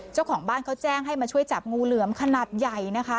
เจ้าของบ้านเขาแจ้งให้มาช่วยจับงูเหลือมขนาดใหญ่นะคะ